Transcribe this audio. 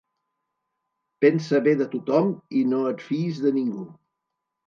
Pensa bé de tothom i no et fiïs de ningú.